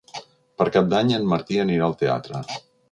Per Cap d'Any en Martí anirà al teatre.